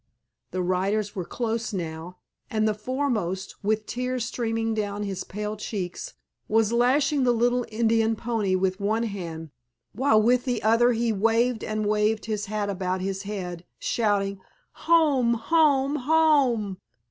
The riders were close now, and the foremost, with tears streaming down his pale cheeks, was lashing the little Indian pony with one hand, while with the other he waved and waved his hat about his head, shouting, "Home, home, home!"